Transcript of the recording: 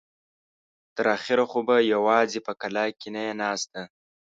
تر اخره خو به يواځې په کلاکې نه يې ناسته.